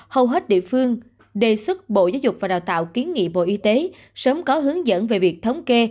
hầu hết địa phương đề xuất bộ giáo dục và đào tạo kiến nghị bộ y tế sớm có hướng dẫn về việc thống kê